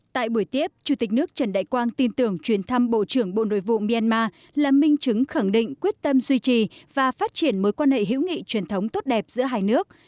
tại buổi tiếp chủ tịch nước trần đại quang tin tưởng chuyến thăm bộ trưởng bộ nội vụ myanmar là minh chứng khẳng định quyết tâm duy trì và phát triển mối quan hệ hữu nghị truyền thống tốt đẹp giữa hai nước